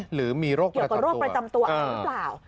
หรือมีโรคประจำตัว